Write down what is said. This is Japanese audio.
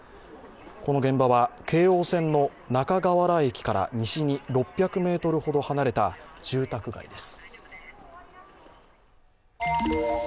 この現場は京王線の中河原駅から西の６００ｍほど離れた住宅街です。